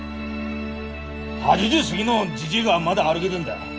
８０過ぎのじじいがまだ歩げでんだ。